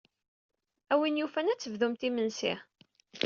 A win yufan ad tebdumt imensi.